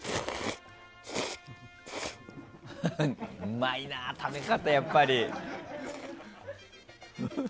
うまいな、食べ方、やっぱり。